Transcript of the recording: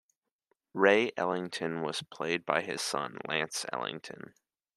Ray Ellington was played by his son, Lance Ellington.